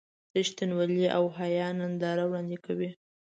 د رښتینولۍ او حیا ننداره وړاندې کوي.